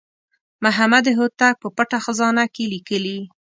محمد هوتک په پټه خزانه کې لیکلي.